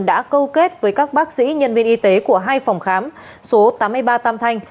đã câu kết với các bác sĩ nhân viên y tế của hai phòng khám số tám mươi ba tam thanh